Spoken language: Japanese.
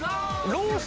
ロース！